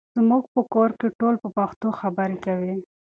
زموږ په کور کې ټول په پښتو خبرې کوي.